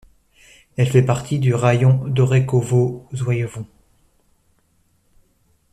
Elle fait partie du raïon d'Orekhovo-Zouïevo.